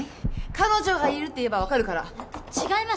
彼女がいるって言えば分かるから違います